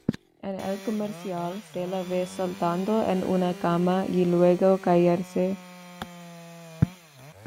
En el comercial, se la ve saltando en una cama y luego caerse.